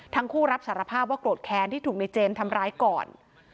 ทั้งคู่รับสารภาพว่าโกรธแค้นที่ถูกในเจมส์ทำร้ายก่อน